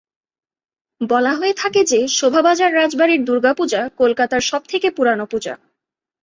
বলা হয়ে থাকে যে শোভাবাজার রাজবাড়ির দুর্গাপূজা কলকাতার সবথেকে পুরানো পূজা।